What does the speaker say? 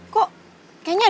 kasar level tuh apa